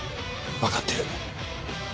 分かってる。